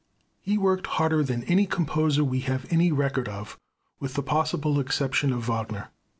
He worked harder than any composer we have any record of, with the possible exception of Wagner.